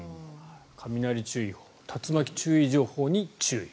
雷注意報、竜巻注意情報に注意。